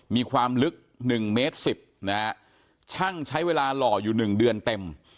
มีความลึก๑เมตร๑๐นะฮะช่างใช้เวลาหล่ออยู่หนึ่งเดือนเต็ม